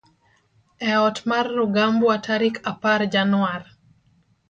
e ot mar Rugambwa tarik apar januar